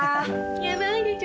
ヤバいでちょ？